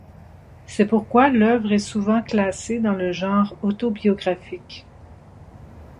C'est pourquoi l'œuvre est souvent classée dans le genre autobiographique.